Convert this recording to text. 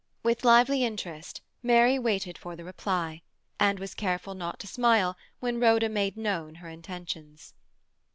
With lively interest, Mary waited for the reply, and was careful not to smile when Rhoda made known her intentions.